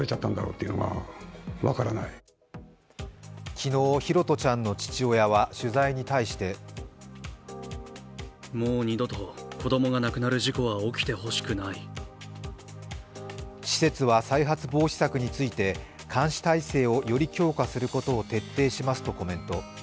昨日、拓杜ちゃんの父親は取材に対して施設は再発防止策について監視体制をより強化することを徹底しますとコメント。